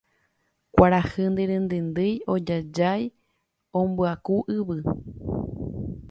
kuarahy ndirindindin ojajái ombyaku yvy